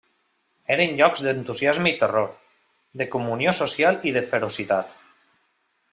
Eren llocs d'entusiasme i terror, de comunió social i de ferocitat.